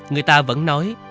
người ta vẫn nói